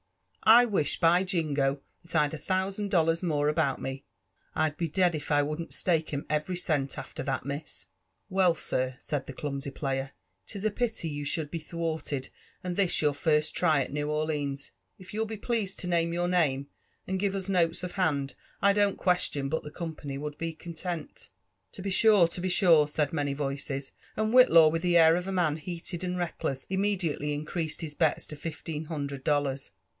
— I wish, by Jingo, that I'd a thousand dollars more about me I I'd be d — d if I wouldn't stake 'em every cent after tltat miss." ♦* Well, sir," said the clumsy player, 'lis a pity you should be thwarted, and this your first try at New Orleans. If you'll be pleased to name your name« and give us^notes of hand, I don't question but the company would be content." Tobesure," —To besure," «aidmany voices; and Whitiaw, , with the air of a man heated and reckless, immediately increased his bets to fifteen hundred dollars.